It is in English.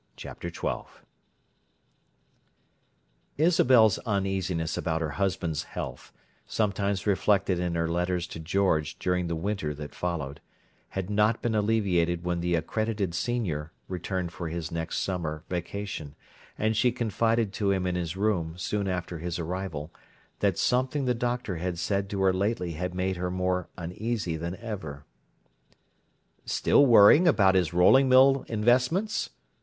Chapter XII Isabel's uneasiness about her husband's health—sometimes reflected in her letters to George during the winter that followed—had not been alleviated when the accredited Senior returned for his next summer vacation, and she confided to him in his room, soon after his arrival, that "something" the doctor had said to her lately had made her more uneasy than ever. "Still worrying over his rolling mills investments?"